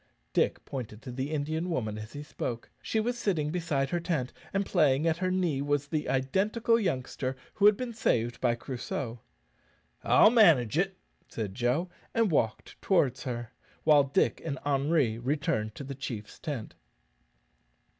Dick pointed to the Indian woman as he spoke. She was sitting beside her tent, and playing at her knee was the identical youngster who had been saved by Crusoe. "I'll manage it," said Joe, and walked towards her, while Dick and Henri returned to the chief's tent.